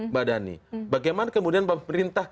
bagaimana kemudian pemerintah